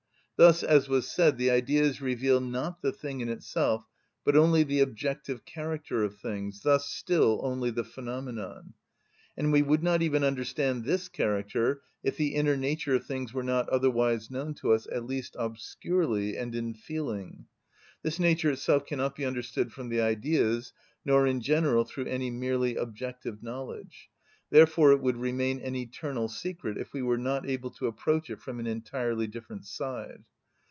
Thus, as was said, the Ideas reveal not the thing in itself, but only the objective character of things, thus still only the phenomenon; and we would not even understand this character if the inner nature of things were not otherwise known to us at least obscurely and in feeling. This nature itself cannot be understood from the Ideas, nor in general through any merely objective knowledge; therefore it would remain an eternal secret if we were not able to approach it from an entirely different side.